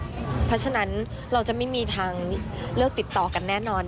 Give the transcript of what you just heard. เพราะฉะนั้นเราจะไม่มีทางเลือกติดต่อกันแน่นอน